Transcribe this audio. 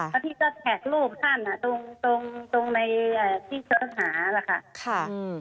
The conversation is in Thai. แล้วพี่ก็แท็กรูปท่านตรงในที่เชิญหาแหละค่ะ